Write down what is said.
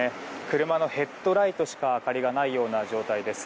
車のヘッドライトしか明かりがないような状態です。